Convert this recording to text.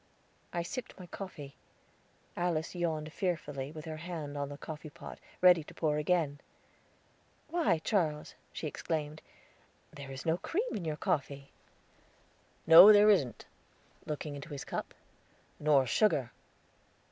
I sipped my coffee; Alice yawned fearfully, with her hand on the coffee pot, ready to pour again. "Why, Charles," she exclaimed, "there is no cream in your coffee." "No, there isn't," looking into his cup; "nor sugar."